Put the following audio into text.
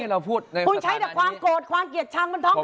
คุณใช้แต่ความโกรธความเกลียดชังบนท้อง